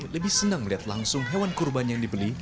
lebih senang melihat langsung hewan kurban yang dibeli